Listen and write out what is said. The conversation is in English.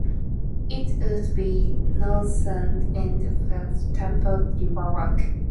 It would be the northern end of the Tampa Riverwalk.